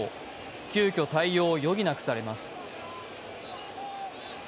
急きょ、対応を余儀なくされます。